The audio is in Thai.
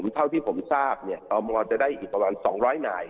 เท่าที่ผมทราบเนี่ยตมจะได้อีกประมาณ๒๐๐นาย